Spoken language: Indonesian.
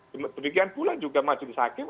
demikian pula juga mas yudhisakif